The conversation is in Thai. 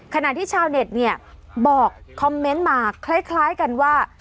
ขณะที่ชาวเน็ตเนี้ยบอกมาคล้ายคล้ายกันว่า